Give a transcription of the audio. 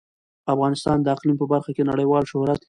افغانستان د اقلیم په برخه کې نړیوال شهرت لري.